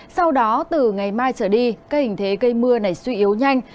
sau đó từ ngày mai trở đi các hình thế gây mưa này suy yếu nhanh